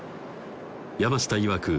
山下いわく